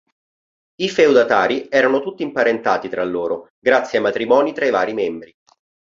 I feudatari erano tutti imparentati tra loro grazie ai matrimoni tra i vari membri.